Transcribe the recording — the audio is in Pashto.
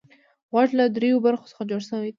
غوږ له دریو برخو څخه جوړ شوی دی.